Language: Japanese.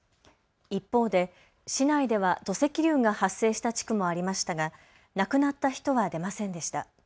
一方で市内では土石流が発生した地区もありましたが亡くなった人は出ませんでした。